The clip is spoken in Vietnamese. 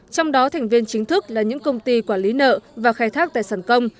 trong đó thành viên chính thức là những công ty quản lý nợ và khai thác tài sản công